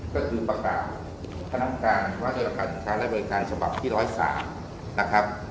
ก็คือประกาศคณะการณ์ว่าโดยรักษาการและบริการฉบับที่๑๐๓นะครับ